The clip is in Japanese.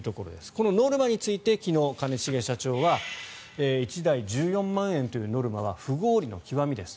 このノルマについて昨日、兼重社長は１台１４万円というノルマは不合理の極みです。